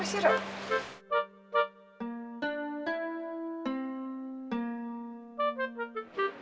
pintah yang ada di rumah